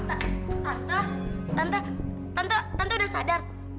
tante tante tante tante udah sadar